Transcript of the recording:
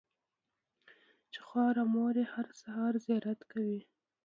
چې خواره مور یې هره سهار زیارت کوي.